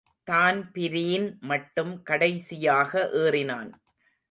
Dan Breen மட்டும் கடைசியாக ஏறினான்.